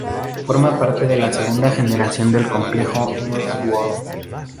Forma parte de la segunda generación del complejo Lotte World.